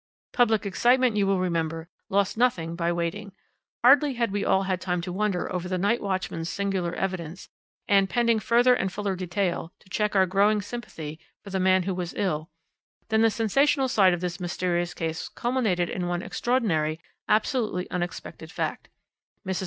"Public excitement, you will remember, lost nothing by waiting. Hardly had we all had time to wonder over the night watchman's singular evidence, and, pending further and fuller detail, to check our growing sympathy for the man who was ill, than the sensational side of this mysterious case culminated in one extraordinary, absolutely unexpected fact. Mrs.